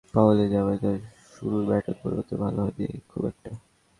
Nestor Carter থেকে Asafa পাওয়েল—জ্যামাইকার শুরুর ব্যাটন পরিবর্তনই ভালো হয়নি খুব একটা।